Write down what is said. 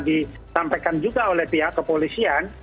disampaikan juga oleh pihak kepolisian